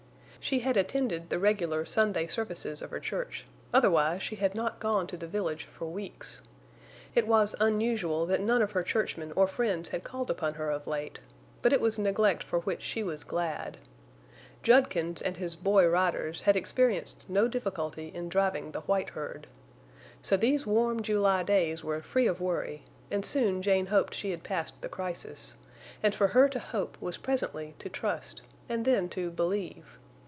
She had attended the regular Sunday services of her church; otherwise she had not gone to the village for weeks. It was unusual that none of her churchmen or friends had called upon her of late; but it was neglect for which she was glad. Judkins and his boy riders had experienced no difficulty in driving the white herd. So these warm July days were free of worry, and soon Jane hoped she had passed the crisis; and for her to hope was presently to trust, and then to believe.